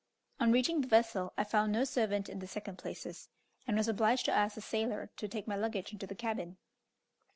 On reaching the vessel I found no servant in the second places, and was obliged to ask a sailor to take my luggage into the cabin.